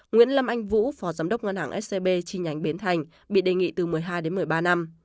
nguyễn lâm anh vũ phó giám đốc ngân hàng scb chi nhánh bến thành bị đề nghị từ một mươi hai đến một mươi ba năm